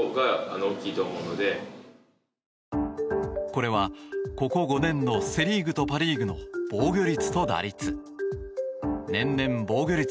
これは、ここ５年のセ・リーグとパ・リーグの防御率と打率。